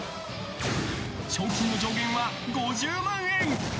賞金の上限は５０万円。